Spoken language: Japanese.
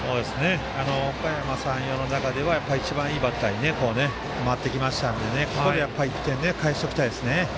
おかやま山陽の中では一番いいバッターに回ってきましたので、ここで１点返しておきたいですね。